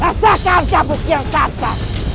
rasakan kabut yang tata